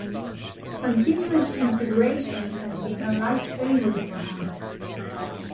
Continuous Integration has been a lifesaver for us.